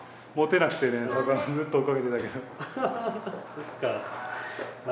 そっかあ